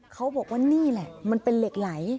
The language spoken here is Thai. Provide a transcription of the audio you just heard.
เขาบอกว่านี่แหละมันเป็นเหล็กไหล